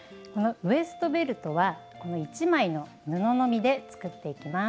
ウエストベルトはこの１枚の布のみで作っていきます。